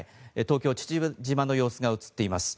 東京・父島の様子が映っています。